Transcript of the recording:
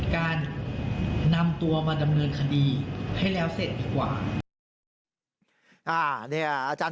การนำตัวมาดำเนินคดีให้แล้วเสร็จดีกว่า